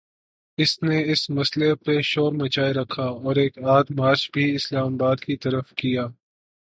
اس نے اس مسئلے پہ شور مچائے رکھا اور ایک آدھ مارچ بھی اسلام آباد کی طرف کیا۔